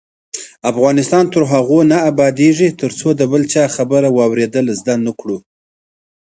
افغانستان تر هغو نه ابادیږي، ترڅو د بل چا خبره واوریدل زده نکړو.